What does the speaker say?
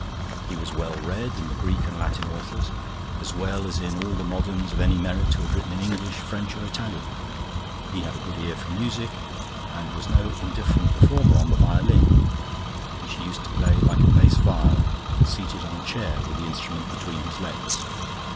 He was well read in the Greek and Latin authors, as well as in all the moderns of any merit who had written in English, French, or Italian. He had a good ear for music, and was no indifferent performer on the violin, which he used to play like a bass viol, seated on a chair with the instrument between his legs.